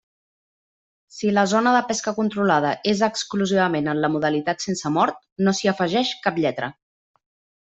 Si la zona de pesca controlada és exclusivament en la modalitat sense mort, no s'hi afegeix cap lletra.